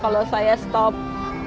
kalau saya berhenti